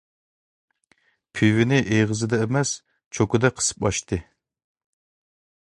پىۋىنى ئېغىزىدا ئەمەس، چوكىدا قىسىپ ئاچتى.